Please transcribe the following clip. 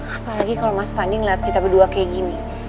apalagi kalau mas fanding liat kita berdua kayak gini